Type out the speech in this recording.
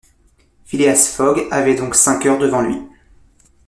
Phileas Fogg avait donc cinq heures devant lui.